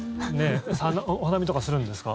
お花見とかするんですか？